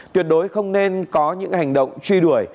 tuyệt đối không nên có những hành động truy đuổi